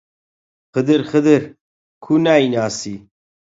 خدر، خدر، کوو نایناسی؟!